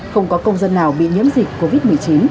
không có công dân nào bị nhiễm dịch covid một mươi chín